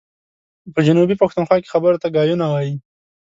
په جنوبي پښتونخوا کي خبرو ته ګايونه وايي.